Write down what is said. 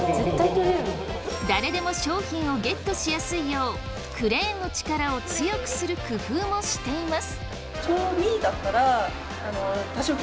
誰でも商品をゲットしやすいようクレーンの力を強くする工夫もしています。